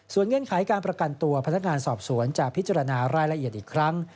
เงื่อนไขการประกันตัวพนักงานสอบสวนจะพิจารณารายละเอียดอีกครั้ง